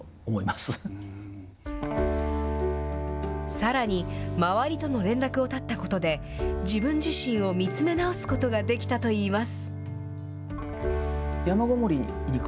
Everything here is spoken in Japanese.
さらに、周りとの連絡を絶ったことで、自分自身を見つめ直すことができたといいます。